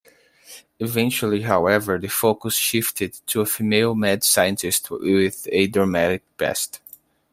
Eventually, however, the focus shifted to a female mad scientist with a dramatic past.